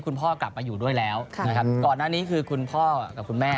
คุณพ่อกลับมาอยู่ด้วยแล้วนะครับก่อนหน้านี้คือคุณพ่อกับคุณแม่